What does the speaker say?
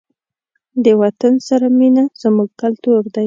د وطن سره مینه زموږ کلتور دی.